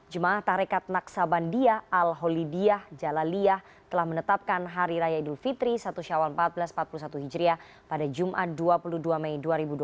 jemaah tarekat naksabandia al holidiyah jalaliyah telah menetapkan hari raya idul fitri satu syawal seribu empat ratus empat puluh satu hijriah pada jumat dua puluh dua mei dua ribu dua puluh